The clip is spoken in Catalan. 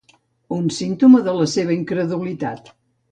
Un símptoma de la seva incredulitat.